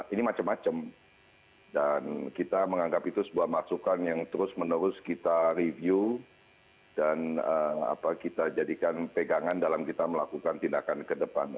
ini macam macam dan kita menganggap itu sebuah masukan yang terus menerus kita review dan kita jadikan pegangan dalam kita melakukan tindakan ke depan